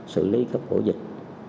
xử lý các ổ dịch